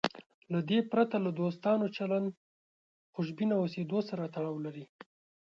له دې پرته له دوستانه چلند خوشبینه اوسېدو سره تړاو لري.